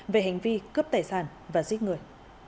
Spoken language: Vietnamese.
về hành vi cướp tài sản và giết người